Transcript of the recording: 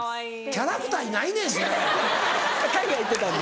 キャラクターにないねん！